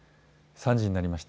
３時になりました。